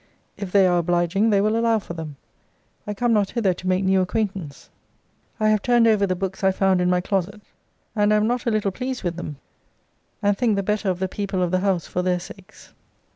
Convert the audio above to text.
If they are obliging, they will allow for them I come not hither to make new acquaintance. I have turned over the books I found in my closet; and am not a little pleased with them; and think the better of the people of the house for their sakes.